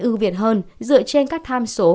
ưu việt hơn dựa trên các tham số